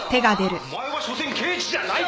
お前はしょせん刑事じゃないって事だ！